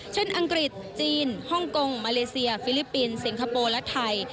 อังกฤษจีนฮ่องกงมาเลเซียฟิลิปปินส์สิงคโปร์และไทย